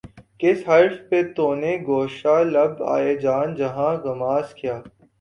کس حرف پہ تو نے گوشۂ لب اے جان جہاں غماز کیا